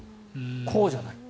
こうじゃない。